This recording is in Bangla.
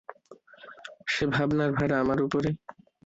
সে ভাবনার ভার আমার উপরে।